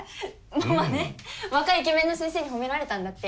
ママね若いイケメンの先生に褒められたんだって。